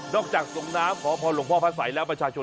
จากส่งน้ำขอพรหลวงพ่อพระสัยแล้วประชาชน